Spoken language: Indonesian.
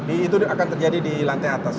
itu akan terjadi di lantai atas